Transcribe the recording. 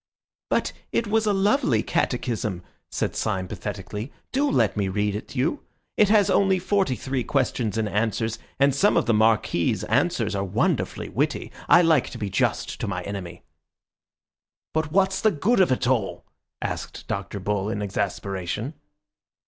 "But it was a lovely catechism," said Syme pathetically. "Do let me read it you. It has only forty three questions and answers, and some of the Marquis's answers are wonderfully witty. I like to be just to my enemy." "But what's the good of it all?" asked Dr. Bull in exasperation.